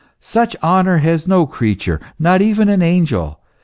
Such honour has no creature, not even an angel.